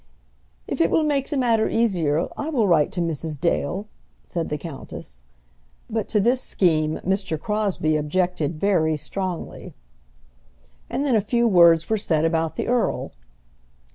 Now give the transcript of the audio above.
"If it will make the matter easier, I will write to Mrs. Dale," said the countess. But to this scheme Mr. Crosbie objected very strongly. And then a few words were said about the earl.